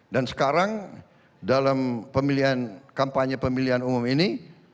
dan sekarang dalam kampanye pemilihan umum ini